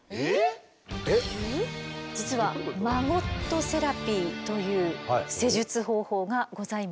実はマゴットセラピーという施術方法がございます。